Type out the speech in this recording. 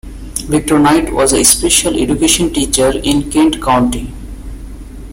Victor Knight was a special education teacher in Kent County.